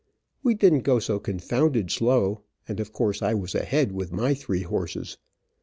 We didn't go so confounded slow, and of course I was ahead with my three horses.